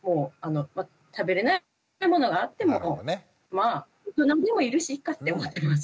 食べれないものがあってもまあ大人にもいるしいいかって思ってます。